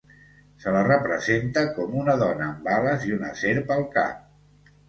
Se la representa com una dona amb ales i una serp al cap.